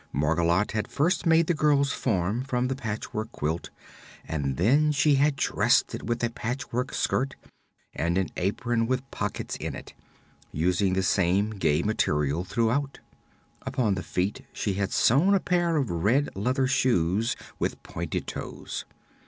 Margolotte had first made the girl's form from the patchwork quilt and then she had dressed it with a patchwork skirt and an apron with pockets in it using the same gay material throughout. Upon the feet she had sewn a pair of red leather shoes with pointed toes.